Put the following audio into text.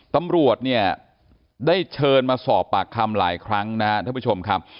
ตำรวจเนี่ยได้เชิญมาสอบปากคำหลายครั้งนะครับท่านผู้ชมครับ